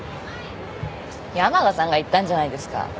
山賀さんが言ったんじゃないですか。